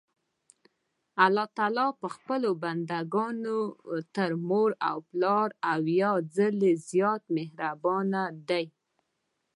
الله تعالی په خپلو بندګانو تر مور او پلار اويا ځلي زيات مهربان دي.